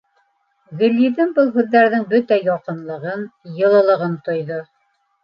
Гөлйөҙөм был һүҙҙәрҙең бөтә яҡынлығын, йылылығын тойҙо.